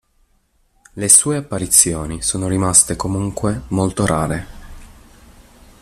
Le sue apparizioni sono rimaste comunque molto rare.